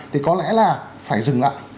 thì có lẽ là phải dừng lại